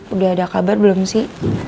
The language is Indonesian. udah ada kabar belum sih